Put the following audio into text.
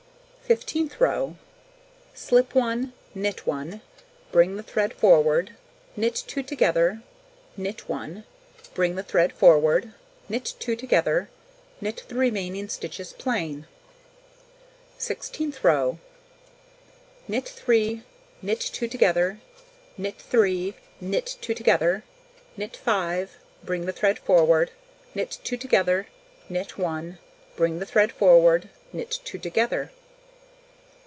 Fifteenth row: Slip 1, knit 1, bring the thread forward, knit 2 together, knit 1, bring the thread forward, knit 2 together, knit the remaining stitches plain. Sixteenth row: Knit 3, knit 2 together, knit 3, knit 2 together, knit 5, bring the thread forward, knit 2 together, knit 1, bring the thread forward, knit 2 together.